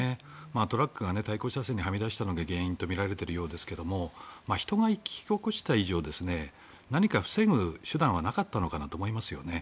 トラックが対向車線にはみ出したのが原因とみられているようですが人が引き起こした以上何か防ぐ手段はなかったのかなと思いますね。